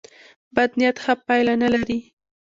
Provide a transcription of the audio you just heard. بد نیت ښه پایله نه لري.